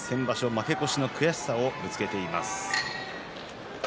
負け越しの悔しさをぶつけています。